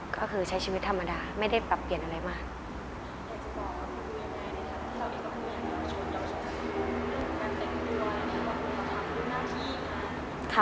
ก็คือใช้ชีวิตธรรมดาไม่ได้ปรับเปลี่ยนอะไรมาก